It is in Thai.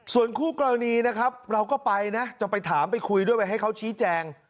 ส่วนคู่กรณีนะครับเราก็ไปนะจะไปถามไปคุยด้วยไปให้เขาชี้แจง